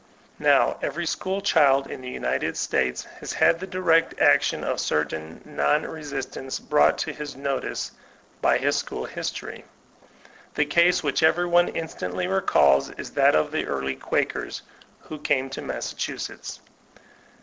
Now every school child in the United States has had the direct action of certain non resistants brought to his notice by his school history. The case which every one instantly recalb is that of the early Quakers who came to Massachusetts.